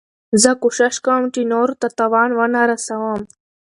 زه کوشش کوم، چي نورو ته تاوان و نه رسوم.